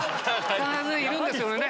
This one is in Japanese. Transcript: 必ずいるんですよね